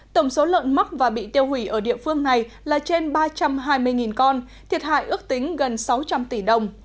tổng số lợn mắc và bị tiêu hủy ở địa phương này là trên ba trăm hai mươi con thiệt hại ước tính gần sáu trăm linh tỷ đồng